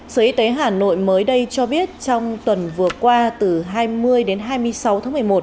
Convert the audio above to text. sở y tế hà nội mới đây cho biết trong tuần vừa qua từ hai mươi đến hai mươi sáu tháng một mươi một